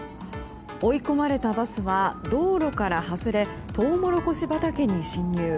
追い込まれたバスは道路から外れトウモロコシ畑に進入。